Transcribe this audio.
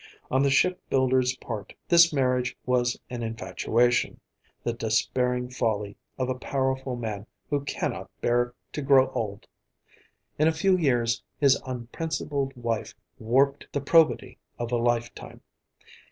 On the shipbuilder's part, this marriage was an infatuation, the despairing folly of a powerful man who cannot bear to grow old. In a few years his unprincipled wife warped the probity of a lifetime.